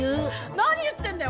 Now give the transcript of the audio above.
何言ってんだよ